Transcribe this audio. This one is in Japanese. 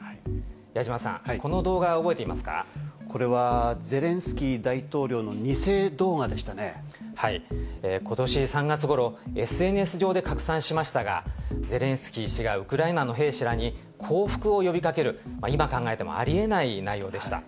矢島さん、この動画、覚えていまこれはゼレンスキー大統領のことし３月ごろ、ＳＮＳ上で拡散しましたが、ゼレンスキー氏がウクライナの兵士らに降伏を呼びかける、今考えてもありえない内容でした。